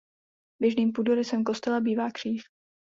Běžným půdorysem kostela bývá kříž.